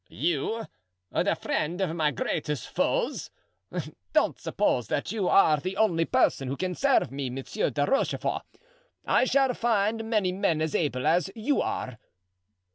"You? the friend of my greatest foes? Don't suppose that you are the only person who can serve me, Monsieur de Rochefort. I shall find many men as able as you are."